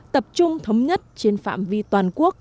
tập trung thống nhất trên phạm vi toàn quốc